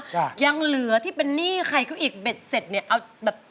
ยังเหลือที่เป็นหนี้ใครเขาอีกเบ็ดเสร็จเนี่ยเอาแบบ